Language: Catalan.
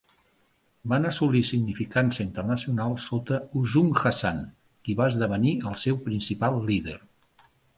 Van assolir significança internacional sota Uzun Hasan, qui va esdevenir el seu principal líder.